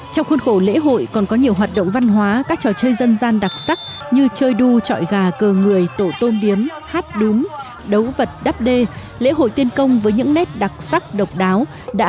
trong khuôn khổ lễ hội còn có nhiều hoạt động văn hóa các trò chơi dân gian đặc sắc như chơi đu trọi gà cờ người trò chơi trò chơi trò chơi trò chơi trò chơi trò chơi trò chơi trò chơi